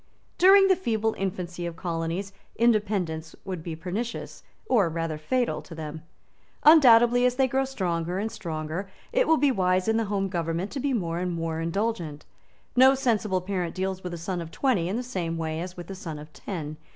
During the feeble infancy of colonies independence would be pernicious, or rather fatal, to them. Undoubtedly, as they grow stronger and stronger, it will be wise in the home government to be more and more indulgent. No sensible parent deals with a son of twenty in the same way as with a son of ten.